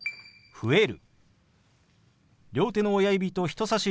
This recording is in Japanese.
「増える」。